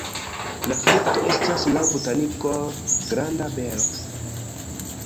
La frukto estas laŭ botaniko granda bero.